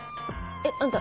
えっあんた